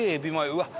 うわっ。